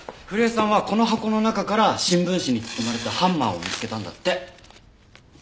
古江さんはこの箱の中から新聞紙に包まれたハンマーを見つけたんだって。